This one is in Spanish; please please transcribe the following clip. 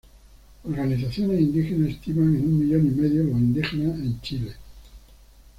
Organizaciones indígenas estiman en un millón y medio de indígenas en Chile.